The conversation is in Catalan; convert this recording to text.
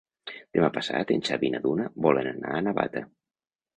Demà passat en Xavi i na Duna volen anar a Navata.